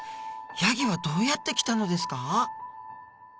ヤギはどうやって来たのですか？